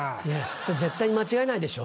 それ絶対に間違えないでしょ。